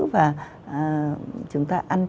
và chúng ta ăn được